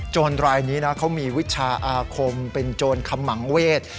รายนี้นะเขามีวิชาอาคมเป็นโจรขมังเวท